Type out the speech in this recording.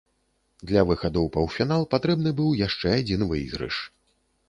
Для выхаду ў паўфінал патрэбны быў яшчэ адзін выйгрыш.